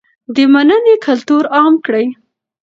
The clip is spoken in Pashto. د مننې کلتور عام کړئ.